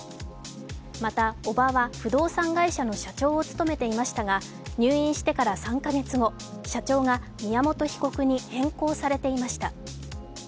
また、叔母は不動産会社の社長を務めていましたが入院してから３か月後、社長が宮本被告に変更されていました。